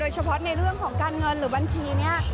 เฉพาะในเรื่องของการเงินหรือบัญชีนี้